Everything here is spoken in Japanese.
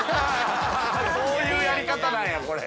そういうやり方なんやこれ。